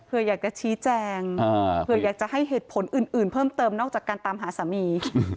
เพื่ออยากจะชี้แจงเผื่ออยากจะให้เหตุผลอื่นเพิ่มเติมนอกจากการตามหาสามี